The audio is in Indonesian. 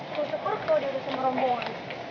kok sepuru kalau diurus sama rombongan